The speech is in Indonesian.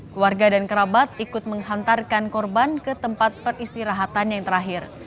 keluarga dan kerabat ikut menghantarkan korban ke tempat peristirahatan yang terakhir